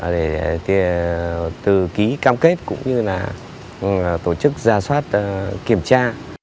để từ ký cam kết cũng như là tổ chức ra soát kiểm tra